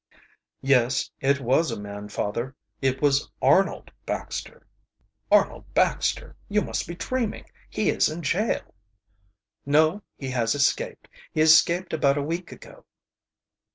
"Yes, it was a man, father. It was Arnold Baxter." "Arnold Baxter! You must be dreaming. He is in jail." "No, he has escaped; he escaped about a week ago."